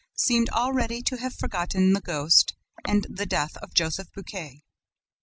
seemed already to have forgotten the ghost and the death of Joseph Buquet.